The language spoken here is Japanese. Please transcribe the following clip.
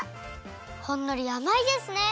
ほんのりあまいですね！